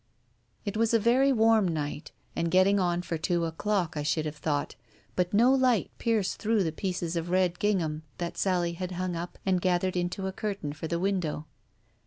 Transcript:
... It was a very warm night, and getting on for two o'clock, I should have thought, but no light pierced through the pieces of red gingham that Sally had hung up and gathered into a curtain for the window.